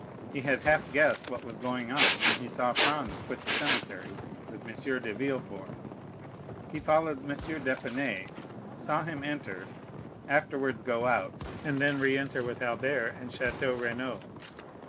He had half guessed what was going on when he saw Franz quit the cemetery with M. de Villefort. He followed M. d'Épinay, saw him enter, afterwards go out, and then re enter with Albert and Château Renaud.